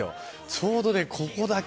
ちょうどここだけ。